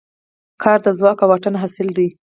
کار د ځواک او واټن حاصل دی.